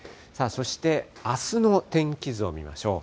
そしてあすの天気図を見ましょう。